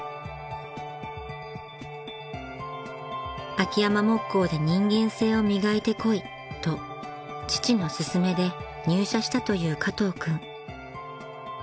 ［秋山木工で人間性を磨いてこいと父の勧めで入社したという加藤君］